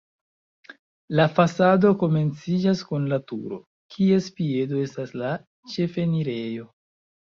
La fasado komenciĝas kun la turo, kies piedo estas la ĉefenirejo.